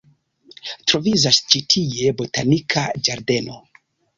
Troviĝas ĉi tie botanika ĝardeno.